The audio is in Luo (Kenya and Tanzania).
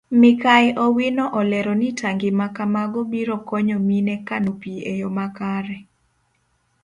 Mikai owino olero ni tangi makamago biro konyo mine kano pii eyo makare.